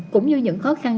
cũng như những khó khăn